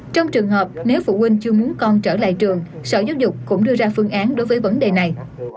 trong trường hợp nếu phụ huynh chưa muốn con trở lại trường sở giáo dục cũng đưa ra phương án đối với vấn đề này